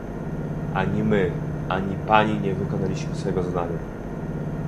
Ani my, ani Pani nie wykonaliśmy swego zadania